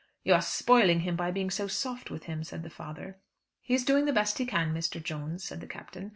"You are spoiling him by being so soft with him," said the father. "He is doing the best he can, Mr. Jones," said the Captain.